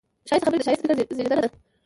ښایسته خبرې د ښایسته فکر زېږنده ده